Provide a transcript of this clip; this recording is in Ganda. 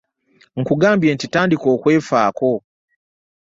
Nkugambye nti tandika okwefaako.